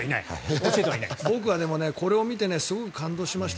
僕はこれを見てすごく感動しました。